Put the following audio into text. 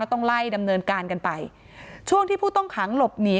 ต้องไล่ดำเนินการกันไปช่วงที่ผู้ต้องขังหลบหนี